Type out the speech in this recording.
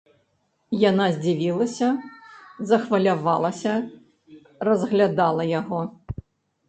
Яна здзівілася, захвалявалася, разглядала яго.